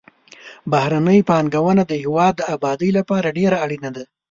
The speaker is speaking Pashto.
بهرنۍ پانګونه د هېواد د آبادۍ لپاره ډېره اړینه ده.